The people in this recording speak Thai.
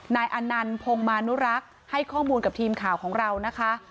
นายอนันต์พงมานุรักษ์ให้ข้อมูลกับทีมข่าวของเรานะคะ